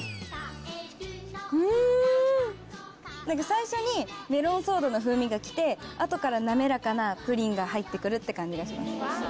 最初にメロンソーダの風味が来て後から滑らかなプリンが入って来るって感じがします。